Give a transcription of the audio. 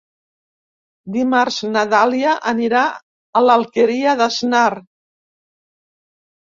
Dimarts na Dàlia anirà a l'Alqueria d'Asnar.